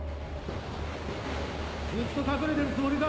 ・・ずっと隠れてるつもりか？